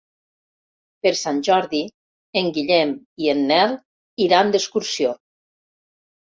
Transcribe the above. Per Sant Jordi en Guillem i en Nel iran d'excursió.